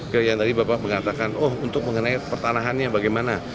ke yang tadi bapak mengatakan oh untuk mengenai pertanahannya bagaimana